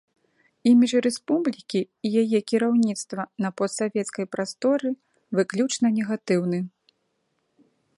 Імідж рэспублікі і яе кіраўніцтва на постсавецкай прасторы выключна негатыўны.